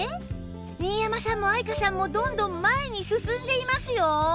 新山さんも愛華さんもどんどん前に進んでいますよ！